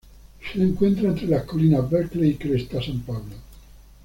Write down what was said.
Se encuentra entre las Colinas Berkeley y Cresta San Pablo.